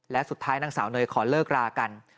และสุดท้ายนางสาวเนยขอเลิกรากัน